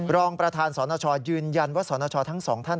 รองประธานสนชยืนยันว่าสนชทั้งสองท่าน